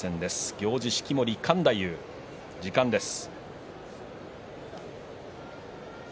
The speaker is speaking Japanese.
行司は式守勘太夫に時間です。